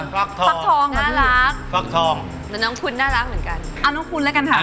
ฟักทองน่ารักฟักทองแล้วน้องคุณน่ารักเหมือนกัน